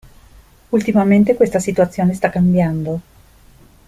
Ultimamente questa situazione sta cambiando.